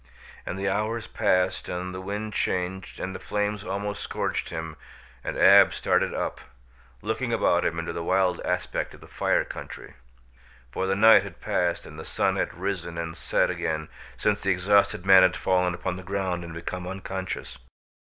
And the hours passed and the wind changed and the flames almost scorched him and Ab started up, looking about him into the wild aspect of the Fire Country; for the night had passed and the sun had risen and set again since the exhausted man had fallen upon the ground and become unconscious.